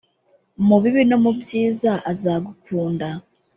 mubibi no mubyiza azagukunda